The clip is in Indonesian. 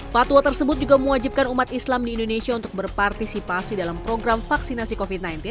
fatwa tersebut juga mewajibkan umat islam di indonesia untuk berpartisipasi dalam program vaksinasi covid sembilan belas